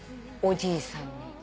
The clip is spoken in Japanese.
おじいさんに。